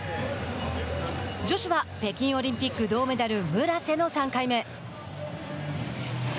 女子は北京オリンピック銅メダル村瀬の３回目。